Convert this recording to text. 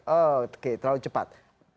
oke terlalu cepat